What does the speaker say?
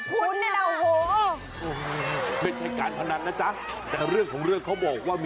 ภูเกษฐีของเหลือครับ